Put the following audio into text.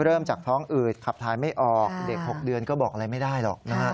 เริ่มจากท้องอืดขับถ่ายไม่ออกเด็ก๖เดือนก็บอกอะไรไม่ได้หรอกนะฮะ